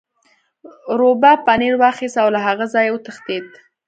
روباه پنیر واخیست او له هغه ځایه وتښتید.